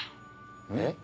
えっ？